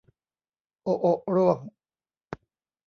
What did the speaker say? โอะโอะร่วง